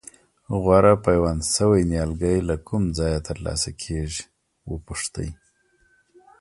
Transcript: غوره پیوند شوي نیالګي له کوم ځایه ترلاسه کېږي وپوښتئ.